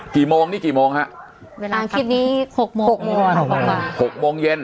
กี่โมงนี่กี่โมงฮะอ่าคลิปนี้หกโมงหกโมงเย็นค่ะ